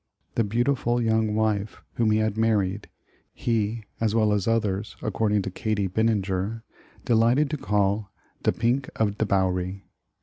The beautiful young wife whom he had married, ho, as well as others according to Katie Bininger, delight ed to call "de pink of de Bowery."